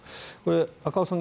赤尾さん